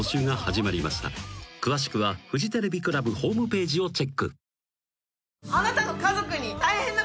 ［詳しくはフジテレビクラブホームページをチェック］